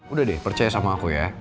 udah deh percaya sama aku ya